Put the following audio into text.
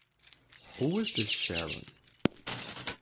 Who is this Sharon?